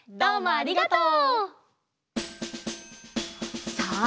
ありがとう！